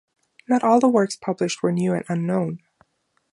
Not all the works published were new and unknown.